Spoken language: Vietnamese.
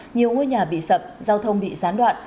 nhiều ngôi nhà bị sập giao thông bị gián đoạn